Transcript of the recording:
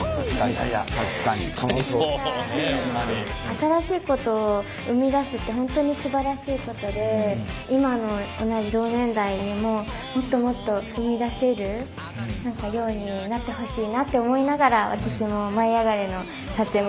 新しいことを生み出すって本当にすばらしいことで今の同じ同年代にももっともっと生み出せるようになってほしいなって思いながら私も「舞いあがれ！」の撮影も頑張りたいなって思いました。